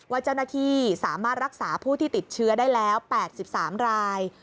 ว่าเจ้าหน้าที่สามารถรักษาผู้ที่ติดเชื้อได้แล้ว๘๓ราย